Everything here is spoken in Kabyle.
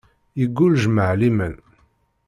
Yeggul jmaɛ liman.